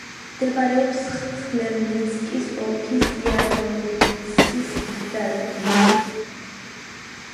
მდებარეობს ხმელნიცკის ოლქის იარმოლინცის რაიონში.